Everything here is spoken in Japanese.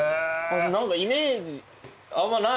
何かイメージあんまないっすね。